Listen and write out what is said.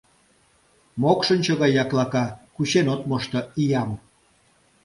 Мокшынчо гай яклака, кучен от мошто иям.